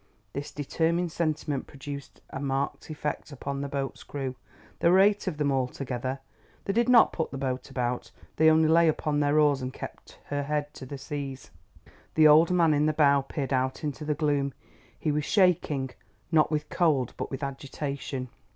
This determined sentiment produced a marked effect upon the boat's crew; there were eight of them altogether. They did not put the boat about, they only lay upon their oars and kept her head to the seas. The old man in the bow peered out into the gloom. He was shaking, not with cold but with agitation.